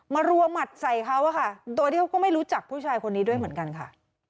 รัวหมัดใส่เขาอะค่ะโดยที่เขาก็ไม่รู้จักผู้ชายคนนี้ด้วยเหมือนกันค่ะ